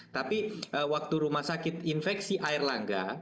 tapi waktu rumah sakit infeksi air langga